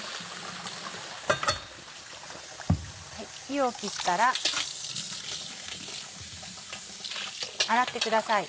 湯を切ったら洗ってください。